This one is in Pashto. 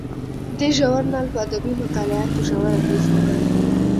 دې ژورنال په ادبي مطالعاتو ژور اغیز وکړ.